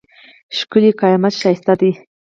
ښکېلی قامت ښایسته دی.